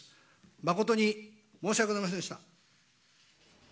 誠に申し訳ございませんでした。